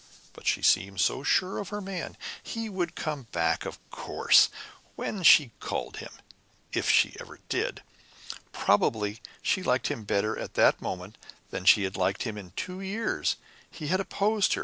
But she seemed so sure of her man! He would come back, of course when she called him if she ever did! Probably she liked him better at that moment than she had liked him in two years. He had opposed her.